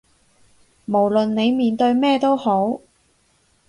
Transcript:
無論你面對咩都好